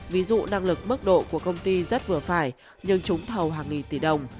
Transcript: ví dụ năng lực mức độ của công ty rất vừa phải nhưng trúng thầu hàng nghìn tỷ đồng